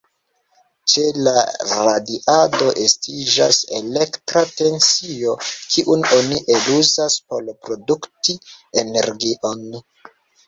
Ĉe la radiado, estiĝas elektra tensio, kiun oni eluzas por produkti energion.